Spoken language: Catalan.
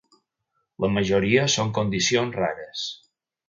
La majoria són condicions rares.